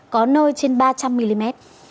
có nơi trên ba trăm linh mm